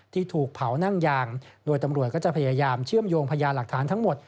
ที่ถูกเผานั่งยางโดยตำรวจก็จะพยายามเชื่อมโยงพยานหลักฐานทั้งหมด